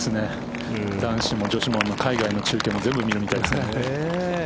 男子も女子も海外の中継も全部見てるみたいですね。